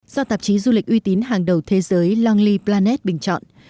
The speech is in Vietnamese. do tạp chí du lịch uy tín hàng đầu thế giới lony planet bình chọn